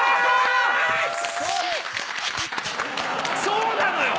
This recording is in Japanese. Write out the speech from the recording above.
そうなのよ。